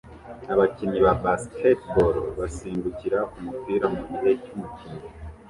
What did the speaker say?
Abakinnyi ba Basketball basimbukira kumupira mugihe cy'umukino